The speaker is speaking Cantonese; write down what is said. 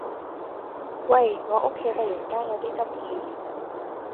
喂！我屋企突然間有啲急事